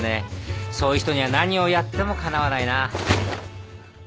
そういう人には何をやってもかなわないな。